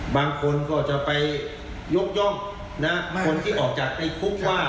บางคนก็จะไปยกย่องคนที่ออกจากในคุกว่า